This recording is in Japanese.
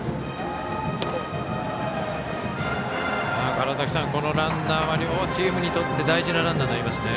川原崎さん、このランナーは両チームにとって大事なランナーになりますね。